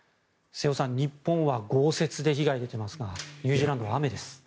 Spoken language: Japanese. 瀬尾さん、日本は豪雪で被害が出ていますがニュージーランドは雨です。